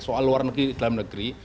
soal luar negeri dalam negeri